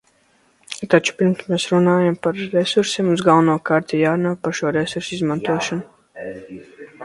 Taču, pirms mēs runājam par resursiem, mums galvenokārt ir jārunā par šo resursu izmantošanu.